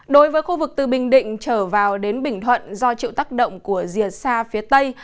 đối với khu vực từ bình định trở vào đến bình thuận do chịu tác động của rìa xa phía tây